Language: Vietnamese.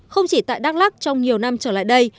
không chỉ tại đắk lắc trong nhiều năm trở lại đây